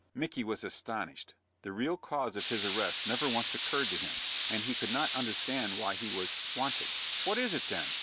Micky was astonished. The real cause of his arrest never once occurred to him, and he could not understand why he was "wanted." "What is it, then?"